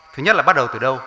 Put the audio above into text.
thứ nhất là bắt đầu từ đâu